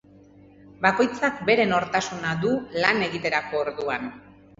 Bakoitzak bere nortasuna du lan egiterako orduan.